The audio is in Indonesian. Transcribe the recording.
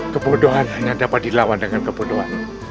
kebodohan hanya dapat dilawan dengan kebodohan